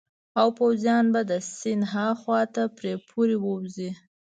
او پوځیان به د سیند هاخوا ته پرې پورې ووزي.